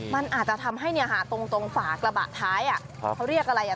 มันอาจจะทำให้เนี้ยหาตรงตรงฝากระบะท้ายอ่ะเขาเรียกอะไรอ่ะ